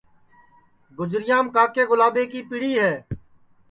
گُجریام کاکے گُلاٻے کی پیڑی ہے